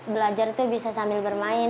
belajar itu bisa sambil bermain